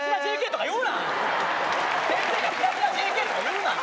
先生がキラキラＪＫとか言うな。